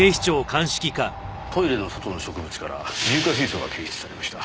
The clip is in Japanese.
トイレの外の植物から硫化水素が検出されました。